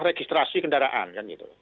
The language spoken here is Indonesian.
registrasi kendaraan kan gitu